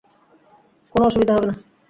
কোন অসুবিধা হবে না!